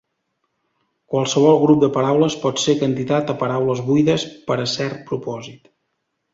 Qualsevol grup de paraules pot ser candidat a paraules buides per a cert propòsit.